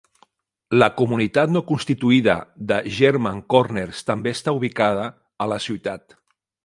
La comunitat no constituïda de German Corners també està ubicada a la ciutat.